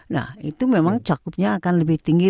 nah itu memang cakupnya akan lebih tinggi